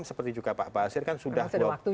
seperti juga pak basir kan sudah vlog